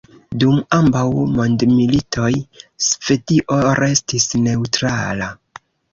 Dum ambaŭ mondmilitoj Svedio restis neŭtrala.